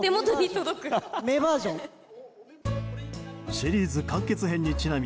シリーズ完結編にちなみ